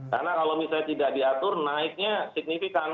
karena kalau misalnya tidak diatur naiknya signifikan